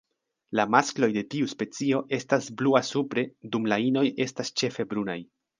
La maskloj de tiu specio estas blua supre, dum la inoj estas ĉefe brunaj.